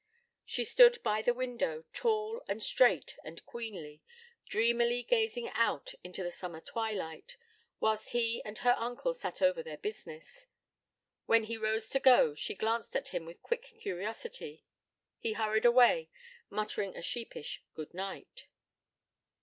She stood by the window, tall and straight and queenly, dreamily gazing out into the summer twilight, whilst he and her uncle sat over their business. When he rose to go, she glanced at him with quick curiosity; he hurried away, muttering a sheepish good night.